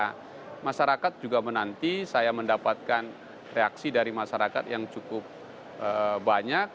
karena masyarakat juga menanti saya mendapatkan reaksi dari masyarakat yang cukup banyak